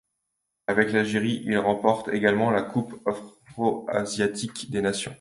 Avec l'Algérie, il remporte également la Coupe Afro-asiatique des Nations.